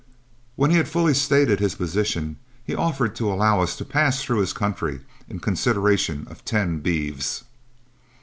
When he had fully stated his position, he offered to allow us to pass through his country in consideration of ten beeves.